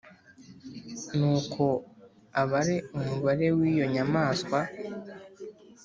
Ni uko abare umubare w’iyo nyamaswa